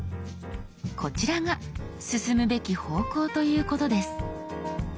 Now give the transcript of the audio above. こちらが進むべき方向ということです。